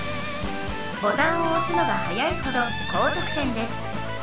ボタンを押すのが早いほど高得点です。